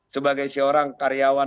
sebagai seorang karyawan